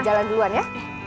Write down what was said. jalan duluan ya